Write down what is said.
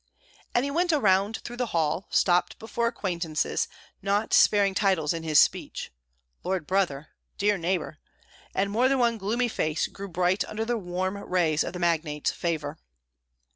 And he went around through the hall, stopped before acquaintances, not sparing titles in his speech, "Lord brother," "dear neighbor;" and more than one gloomy face grew bright under the warm rays of the magnate's favor.